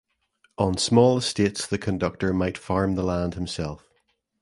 On small estates the conductor might farm the land himself.